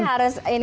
jadi harus ini